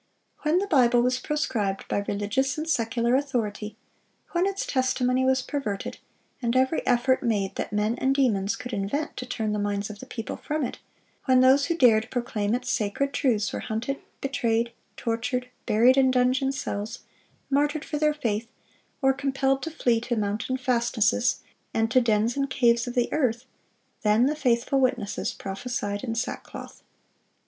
(389) When the Bible was proscribed by religious and secular authority; when its testimony was perverted, and every effort made that men and demons could invent to turn the minds of the people from it; when those who dared proclaim its sacred truths were hunted, betrayed, tortured, buried in dungeon cells, martyred for their faith, or compelled to flee to mountain fastnesses, and to dens and caves of the earth,—then the faithful witnesses prophesied in sackcloth.